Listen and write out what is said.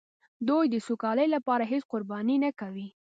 دوی د سوکالۍ لپاره هېڅ قرباني نه کوي.